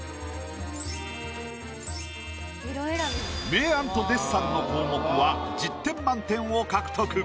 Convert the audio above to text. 明暗とデッサンの項目は１０点満点を獲得。